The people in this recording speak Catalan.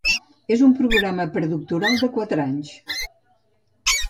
És un programa predoctoral de quatre anys.